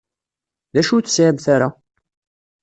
D acu ur tesɛimt ara?